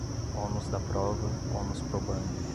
ônus da prova, onus probandi